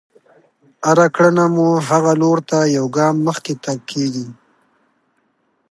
هره کړنه مو هغه لور ته يو ګام مخکې تګ کېږي.